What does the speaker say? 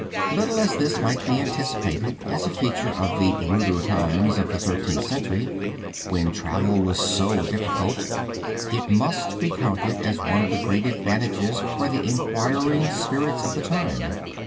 Little as this might be anticipated as a feature of the ruder times of the Thirteenth Century, when travel was so difficult, it must be counted as one of the great advantages for the inquiring spirits of the time.